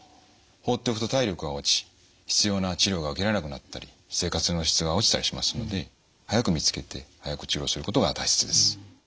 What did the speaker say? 放っておくと体力が落ち必要な治療が受けられなくなったり生活の質が落ちたりしますので早く見つけて早く治療することが大切です。